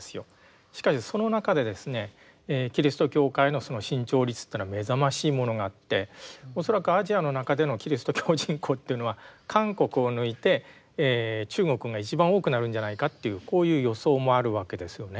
しかしその中でですねキリスト教会の伸長率というのは目覚ましいものがあって恐らくアジアの中でのキリスト教人口というのは韓国を抜いて中国が一番多くなるんじゃないかというこういう予想もあるわけですよね。